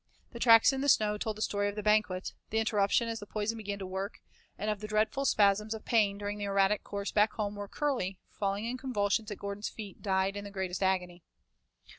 The tracks in the snow told the story of the banquet; the interruption as the poison began to work, and of the dreadful spasms of pain during the erratic course back home where Curley, falling in convulsions at Gordon's feet, died in the greatest agony.